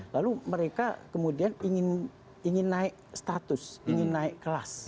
lalu mereka kemudian ingin naik status ingin naik kelas